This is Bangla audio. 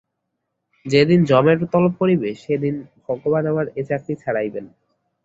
যে দিন যমের তলব পড়িবে, সে দিন ভগবান আমার এ চাকরি ছাড়াইবেন।